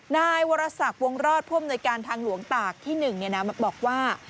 นายวรศักดิ์วงรอดผู้อำนวยการทางหลวงตากที่๑บอกว่า